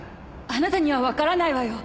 あなたにはわからないわよ。